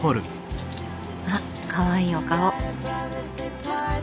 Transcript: あっかわいいお顔。